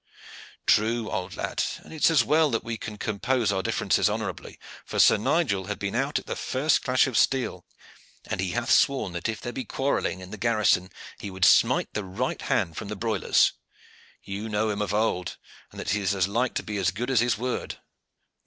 "True, old lad. And it is as well that we can compose our differences honorably, for Sir Nigel had been out at the first clash of steel; and he hath sworn that if there be quarrelling in the garrison he would smite the right hand from the broilers. You know him of old, and that he is like to be as good as his word."